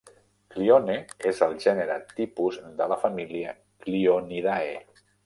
"Clione" és el gènere tipus de la família Clionidae.